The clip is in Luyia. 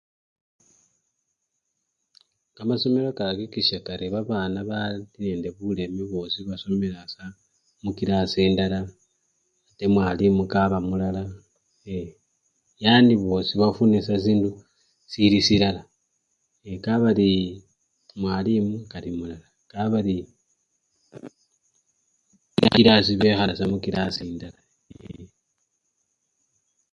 Kamasomelo ka-akikisya kari babana bali nende buleme bosii basomela sa-mukilasi ndala ate mwalimu kaba mulala ye! yani bosii bafune sa sindu sili silala, yee! kabari mwalimu, kalimulala, kabari ekilasi, bekhala sa mukilasi ndala yee!